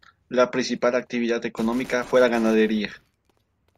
La principal actividad económica fue la Ganadería.